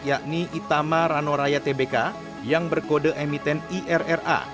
yakni itama ranoraya tbk yang berkode emiten irra